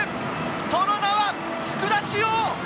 その名は福田師王！